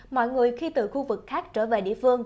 mọi người khi từ khu vực khác trở về địa phương